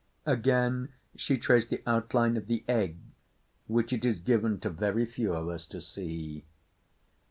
Again she traced the outline of the Egg which it is given to very few of us to see.